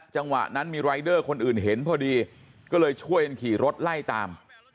จังหวะนั้นมีรายเดอร์คนอื่นเห็นพอดีก็เลยช่วยกันขี่รถไล่ตาม